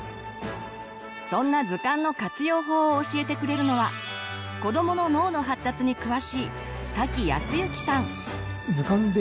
そんな図鑑の活用法を教えてくれるのは子どもの脳の発達に詳しい瀧靖之さん。